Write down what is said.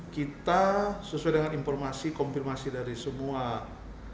kita sesuai dengan informasi kompirmasi dari semua kabupaten kota yang ada di nia